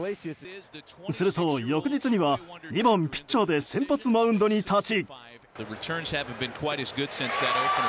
すると、翌日には２番ピッチャーで先発マウンドに立ち。